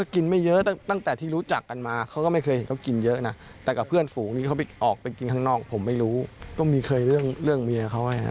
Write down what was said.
ก็มีแค่เนี้ย